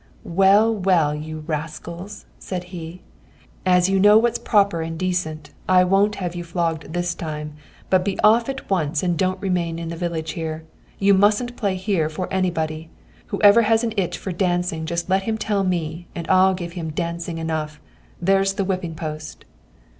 'Well, well, you rascals,' said he, 'as you know what's proper and decent, I won't have you flogged this time, but be off at once and don't remain in the village here. You mustn't play here for anybody. Whoever has an itch for dancing just let him tell me, and I'll give him dancing enough. There's the whipping post!'